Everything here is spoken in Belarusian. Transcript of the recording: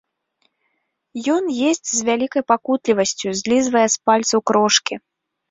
Ён есць з вялікай пакутлівасцю, злізвае з пальцаў крошкі.